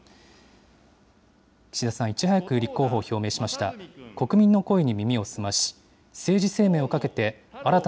岸田さん、いち早く立候補を表明しました。